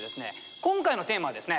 今回のテーマはですね